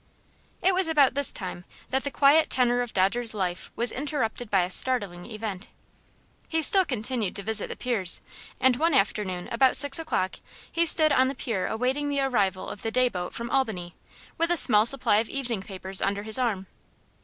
It was about this time that the quiet tenor of Dodger's life was interrupted by a startling event. He still continued to visit the piers, and one afternoon about six o'clock, he stood on the pier awaiting the arrival of the day boat from Albany, with a small supply of evening papers under his arm.